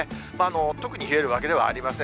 特に冷えるわけではありません。